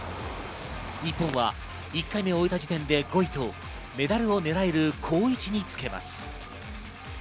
日本は１回目を終えた時点で５位とメダルを狙える好位置につけます。